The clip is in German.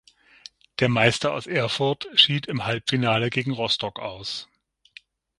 Der Meister aus Erfurt schied im Halbfinale gegen Rostock aus.